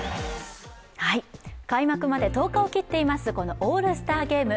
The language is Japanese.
開幕まで１０日を切っていますオールスターゲーム。